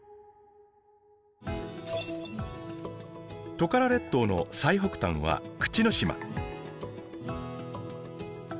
トカラ列島の最北端は口之島。